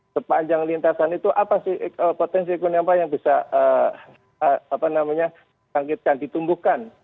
sepanjang lintasan itu apa sih potensi ekonomi apa yang bisa bangkitkan ditumbuhkan